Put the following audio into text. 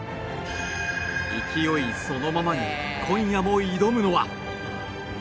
勢いそのままに今夜も挑むのは。